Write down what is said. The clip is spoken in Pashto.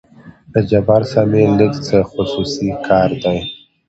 له جبار سره مې لېږ څه خصوصي کار دى.